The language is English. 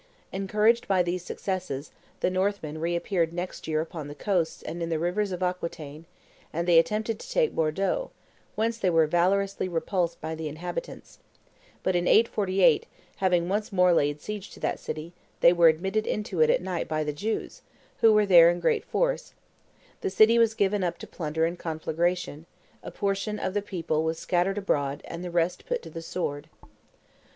Encouraged by these successes, the Northmen reappeared next year upon the coasts and in the rivers of Aquitaine, and they attempted to take Bordeaux, whence they were valorously repulsed by the inhabitants; but in 848, having once more laid siege to that city, they were admitted into it at night by the Jews, who were there in great force; the city was given up to plunder and conflagration; a portion of the people was scattered abroad, and the rest put to the sword."